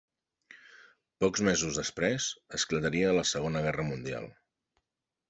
Pocs mesos després, esclataria la Segona Guerra mundial.